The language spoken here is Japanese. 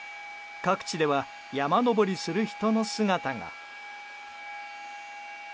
各地では山登りする人の姿が。